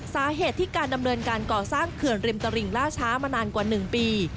สาเหตุที่การดำเนินการก่อสร้างเขื่อนริมตริงล่าช้ามานานกว่า๑ปี